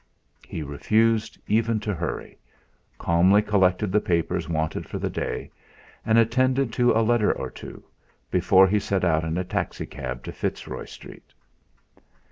He refused even to hurry, calmly collected the papers wanted for the day, and attended to a letter or two, before he set out in a taxi cab to Fitzroy Street.